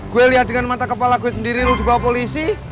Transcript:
gue lihat dengan mata kepala gue sendiri lu dibawa polisi